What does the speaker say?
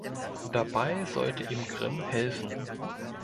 Dabei sollte ihm Grimm helfen.